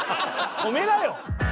止めなよ！